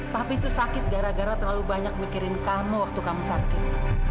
papi itu sakit gara gara terlalu banyak mikirin kamu waktu kamu sakit